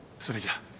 それじゃあ。